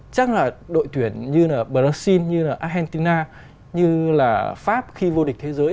chắc là đội tuyển như là brazil như là argentina như là pháp khi vô địch thế giới